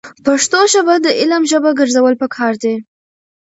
پښتو ژبه د علم ژبه ګرځول پکار دي.